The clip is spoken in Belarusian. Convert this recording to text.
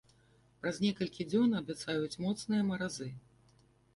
Праз некалькі дзён абяцаюць моцныя маразы.